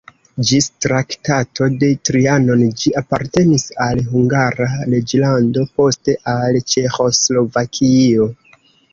Ĝis Traktato de Trianon ĝi apartenis al Hungara reĝlando, poste al Ĉeĥoslovakio.